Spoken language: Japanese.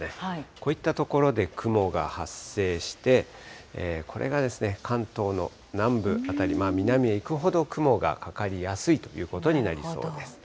こういった所で雲が発生して、これが関東の南部辺り、南へ行くほど、雲がかかりやすいということになりそうです。